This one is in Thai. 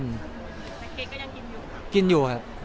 แต่เค้กก็ยังกินอยู่ครับ